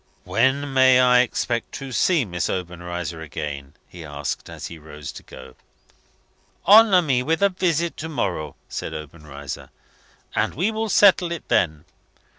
"When may I expect to see Miss Obenreizer again?" he asked, as he rose to go. "Honour me with a visit to morrow," said Obenreizer, "and we will settle it then.